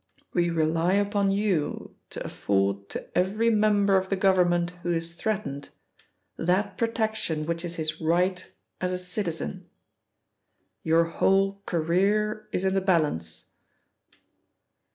We rely upon you to afford to every member of the Government who is threatened, that protection which is his right as a citizen. Your whole career is in the balance."